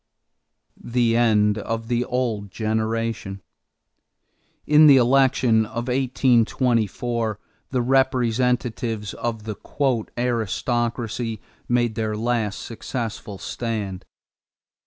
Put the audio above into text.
=The End of the Old Generation.= In the election of 1824, the representatives of the "aristocracy" made their last successful stand.